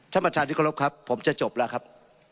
สมทานที่ขอรับครับผมจะจบแล้วครับ